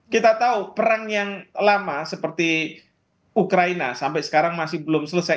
kita tahu perang yang lama seperti ukraina sampai sekarang masih belum selesai